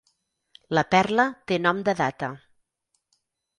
La perla té nom de data.